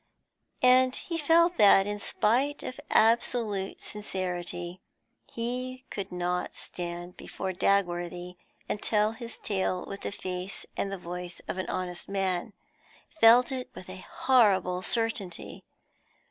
And he felt that, in spite of absolute sincerity, he could not stand before Dagworthy and tell his tale with the face and voice of an honest man, felt it with a horrible certainty.